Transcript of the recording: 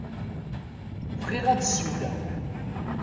Bɣiɣ ad d-ssiwleɣ.